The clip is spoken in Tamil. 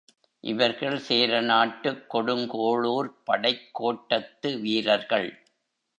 இவர்கள் சேரநாட்டுக் கொடுங்கோளூர்ப் படைக் கோட்டத்து வீரர்கள்.